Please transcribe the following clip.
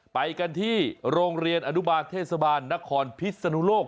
ไปกันที่โรงเรียนอนุบาลเทศบาลนครพิศนุโลก